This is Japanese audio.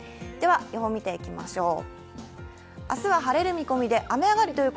予報見ていきましょう。